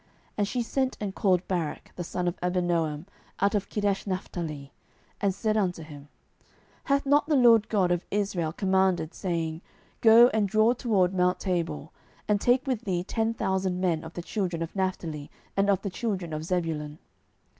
07:004:006 And she sent and called Barak the son of Abinoam out of Kedeshnaphtali, and said unto him, Hath not the LORD God of Israel commanded, saying, Go and draw toward mount Tabor, and take with thee ten thousand men of the children of Naphtali and of the children of Zebulun?